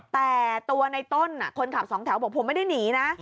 แต่ตัวในต้นคนขับสองแถวบอกผมไม่ได้หนีนะ